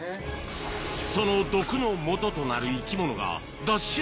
その毒のもととなる生き物がＤＡＳＨ